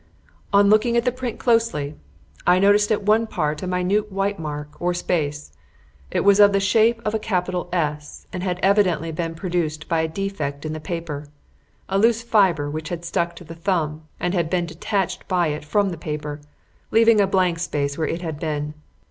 "On looking at the print closely, I noticed at one part a minute white mark or space. It was of the shape of a capital S and had evidently been produced by a defect in the paper a loose fibre which had stuck to the thumb and been detached by it from the paper, leaving a blank space where it had been.